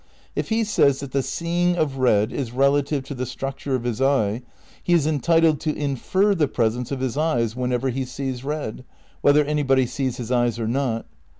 If he says that the seeing of red is relative to the struc ture of his eyes, he is entitled to infer the presence of his eyes whenever he sees red, whether anybody sees his eyes or not.